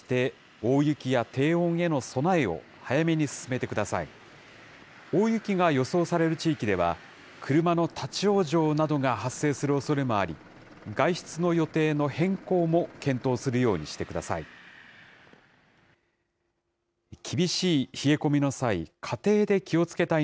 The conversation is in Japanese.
大雪が予想される地域では、車の立往生などが発生するおそれもあり、外出の予定の変更も検討するようにしてください。